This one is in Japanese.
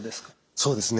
そうですね。